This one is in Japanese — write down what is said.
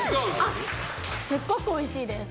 すっごくおいしいです。